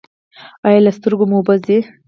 ایا له سترګو مو اوبه ځي؟